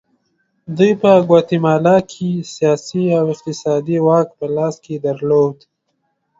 دوی په ګواتیمالا کې سیاسي او اقتصادي واک په لاس کې درلود.